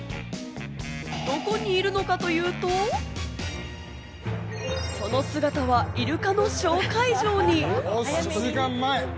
どこにいるのかというと、その姿はイルカのショー会場に。